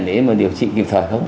để mà điều trị kịp thời không